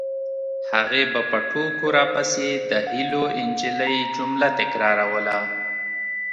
هغې به په ټوکو راپسې د هیلو نجلۍ جمله تکراروله